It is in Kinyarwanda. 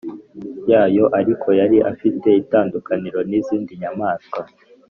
yayo Ariko yari ifite itandukaniro n izindi nyamaswa